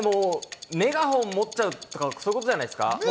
メガホン持っちゃうとか、そういうことじゃないですか？